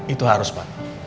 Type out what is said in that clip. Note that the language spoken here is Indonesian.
itu harus pak